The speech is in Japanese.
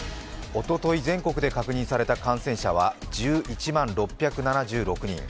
おととい、全国で確認された感染者は１１万６７６人。